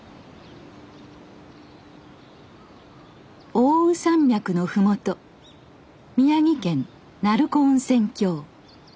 奥羽山脈の麓宮城県鳴子温泉郷。